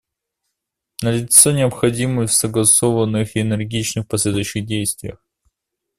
Налицо необходимость в согласованных и энергичных последующих действиях.